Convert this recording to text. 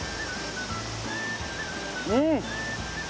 うん。